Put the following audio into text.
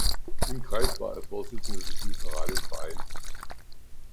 Im Kreis war er Vorsitzender des liberalen Vereins.